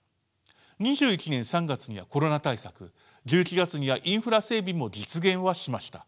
２１年３月にはコロナ対策１１月にはインフラ整備も実現はしました。